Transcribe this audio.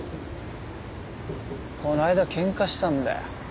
この間喧嘩したんだよ。